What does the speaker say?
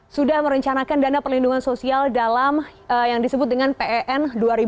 sudah merencanakan dana perlindungan sosial dalam yang disebut dengan pen dua ribu dua puluh